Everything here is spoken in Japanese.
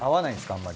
あんまり。